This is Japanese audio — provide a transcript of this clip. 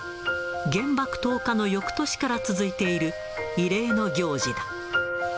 原爆投下のよくとしから続いている、慰霊の行事だ。